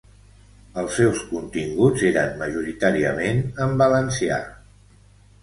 Els seus continguts eren majoritàriament en valencià.